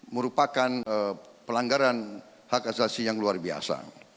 merupakan pelanggaran hak asasi yang luar biasa